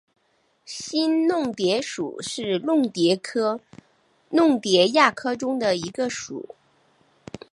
新弄蝶属是弄蝶科弄蝶亚科中的一个属。